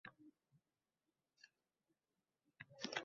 Ko‘p kulollar bu piyolani tuzata olmay, podshoning qilichi damidan o‘tdi